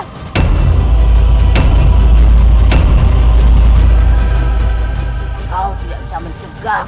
kau tidak bisa mencegah